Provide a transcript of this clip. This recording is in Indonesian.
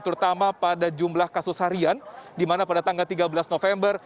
terutama pada jumlah kasus harian di mana pada tanggal tiga belas november